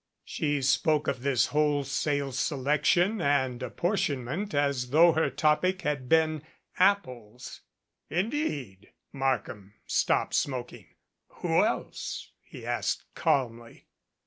She spoke of this wholesale selection and apportionment as though her topic had been apples. "Indeed?" Markham stopped smoking. "Who else?" he asked calmly.